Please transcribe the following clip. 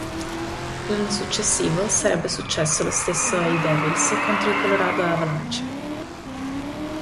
L'anno successivo sarebbe successo lo stesso ai Devils contro i Colorado Avalanche.